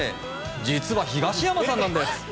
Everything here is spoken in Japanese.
実は東山さんなんです。